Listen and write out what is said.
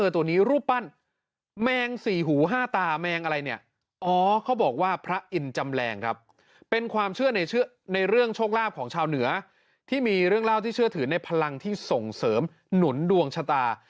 ที่มีเรื่องเล่าที่เชื่อถือในพลังที่ส่งเสริมหนุนดวงชะตา